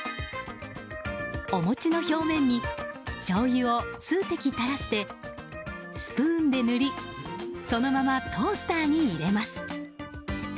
お餅の表面にしょうゆを数滴垂らしてスプーンで塗りそのままトースターに入れます。